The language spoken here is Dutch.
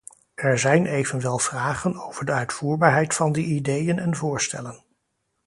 Er zijn evenwel vragen over de uitvoerbaarheid van die ideeën en voorstellen.